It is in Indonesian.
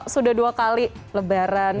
sudah dua kali lebaran